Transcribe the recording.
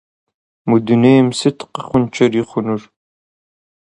Мы дунейм сыт къэхъункӏэри хъунур?!